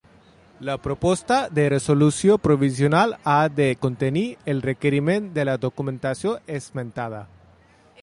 La proposta de resolució provisional ha de contenir el requeriment de la documentació esmentada.